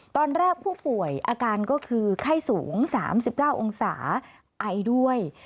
ตอนแรกผู้ป่วยอาการก็คือไข้สูง๓๙องศาไอด้วย